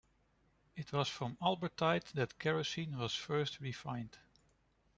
It was from Albertite that kerosene was first refined.